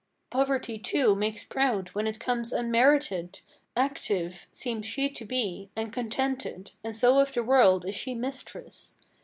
"Poverty, too, makes proud, when it comes unmerited! Active Seems she to be, and contented, and so of the world is she mistress.